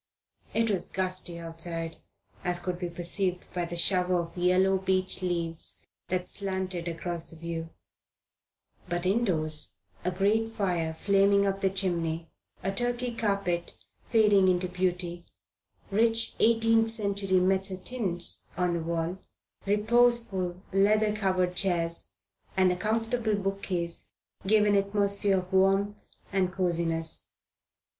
It was gusty outside, as could be perceived by the shower of yellow beech leaves that slanted across the view; but indoors a great fire flaming up the chimney, a Turkey carpet fading into beauty, rich eighteenth century mezzotints on the walls, reposeful leather covered chairs and a comfortable bookcase gave an atmosphere of warmth and coziness.